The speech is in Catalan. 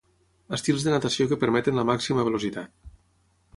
Estils de natació que permeten la màxima velocitat.